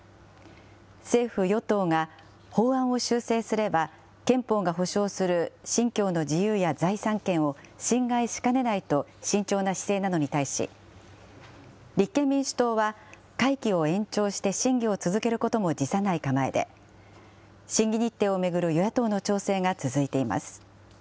政府・与党が法案を修正すれば、憲法が保障する信教の自由や財産権を侵害しかねないと慎重な姿勢なのに対し、立憲民主党は、会期を延長して審議を続けることも辞さない構えで、審議日程を巡る与野党の調整が続いています。